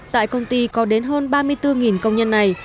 tại công ty có đến hơn ba mươi bốn công nhân này